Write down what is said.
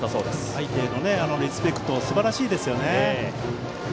相手へのリスペクトすばらしいですよね。